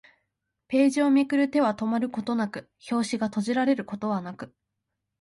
ページをめくる手は止まることはなく、表紙が閉じられることはなく